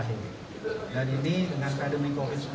ini salah satunya dan kita memudahkan ekspornya meningkatkan kualitasnya